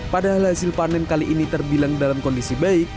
padahal hasil panen kali ini terbilang dalam kondisi baik